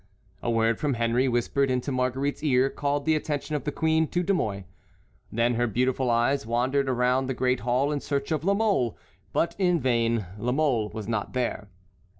A word from Henry whispered into Marguerite's ear called the attention of the queen to De Mouy. Then her beautiful eyes wandered around the great hall in search of La Mole; but in vain—La Mole was not there.